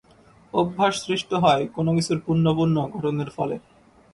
অভ্যাস সৃষ্ট হয় কোন কিছুর পুনঃপুন ঘটনের ফলে।